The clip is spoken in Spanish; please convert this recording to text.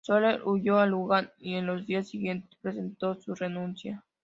Soler huyó a Luján y en los días siguientes presentó su renuncia.